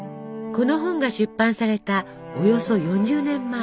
この本が出版されたおよそ４０年前。